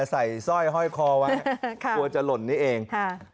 สร้อยห้อยคอไว้กลัวจะหล่นนี้เอง